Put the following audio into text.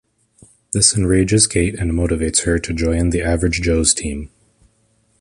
This enrages Kate and motivates her to join the Average Joe's team.